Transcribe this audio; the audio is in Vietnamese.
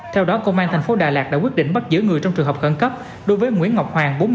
theo đó công an tp đà lạt đã quyết định bắt giữa người trong trường hợp khẩn cấp đối với nguyễn ngọc hoàng